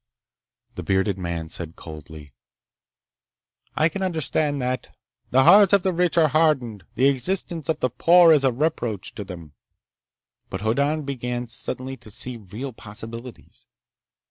The bearded man said coldly: "I can understand that. The hearts of the rich are hardened. The existence of the poor is a reproach to them." But Hoddan began suddenly to see real possibilities.